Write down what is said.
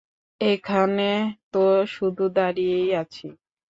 এখানে তো শুধু দাঁড়িয়েই আছি!